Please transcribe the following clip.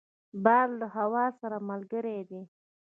باد له هوا سره ملګری دی